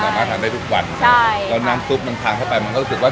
ทานได้ทุกวันใช่แล้วน้ำซุปมันทานเข้าไปมันก็รู้สึกว่า